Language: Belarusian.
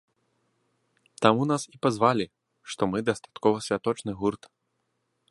Таму нас і пазвалі, што мы дастаткова святочны гурт.